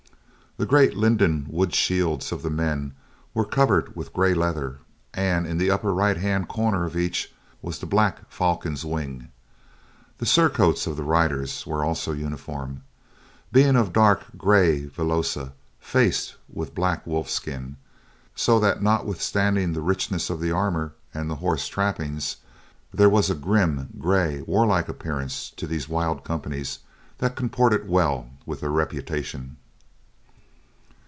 The great linden wood shields of the men were covered with gray leather and, in the upper right hand corner of each, was the black falcon's wing. The surcoats of the riders were also uniform, being of dark gray villosa faced with black wolf skin, so that notwithstanding the richness of the armor and the horse trappings, there was a grim, gray warlike appearance to these wild companies that comported well with their reputation.